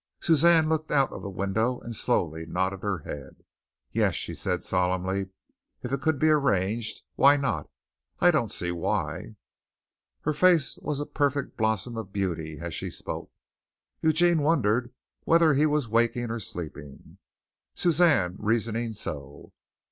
Suzanne looked out of the window and slowly nodded her head. "Yes," she said, solemnly, "if it could be arranged. Why not? I don't see why." Her face was a perfect blossom of beauty, as she spoke. Eugene wondered whether he was waking or sleeping. Suzanne reasoning so!